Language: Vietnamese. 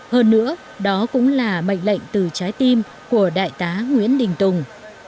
hơn nữa đó cũng là mệnh lệnh từ trái tim của đại tá nguyễn đình tùng